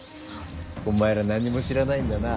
お前ら何も知らないんだな。